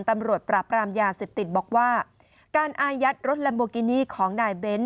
ตำรวจปราบรามยาเสพติดบอกว่าการอายัดรถลัมโบกินี่ของนายเบ้น